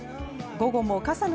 午後も傘の